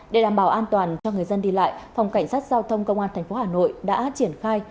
để đảm bảo an toàn cho người dân đi lại phòng cảnh sát giao thông công an tp hà nội đã triển khai